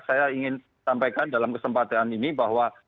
saya ingin sampaikan dalam kesempatan ini bahwa